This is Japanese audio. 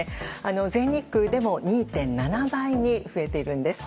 全日空でも２．７倍に増えているんです。